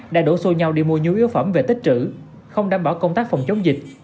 đã đổ xô nhau đi mua nhu yếu phẩm về tích trữ không đảm bảo công tác phòng chống dịch